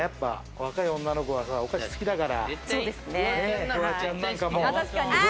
若い女の子はグミ好きだから。